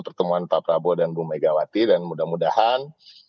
pertemuan pak prabowo dan bu megawati dan mudah mudahan